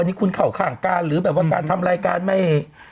นี่คุณเข้าข้างการหรือแบบว่าการทำรายการไม่